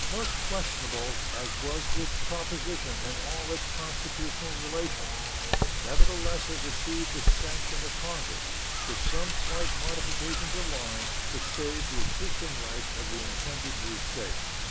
Most questionable as was this proposition in all its constitutional relations, nevertheless it received the sanction of Congress, with some slight modifications of line, to save the existing rights of the intended new State.